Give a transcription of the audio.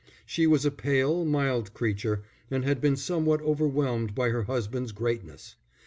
She was a pale, mild creature, and had been somewhat overwhelmed by her husband's greatness.